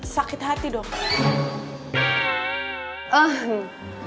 sakit hati dokter